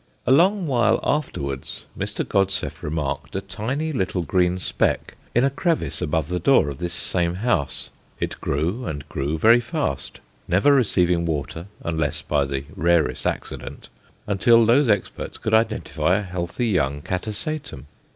A long while afterwards Mr. Godseff remarked a tiny little green speck in a crevice above the door of this same house. It grew and grew very fast, never receiving water unless by the rarest accident, until those experts could identify a healthy young Catasetum.